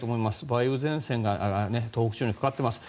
梅雨前線が東北地方にかかっています。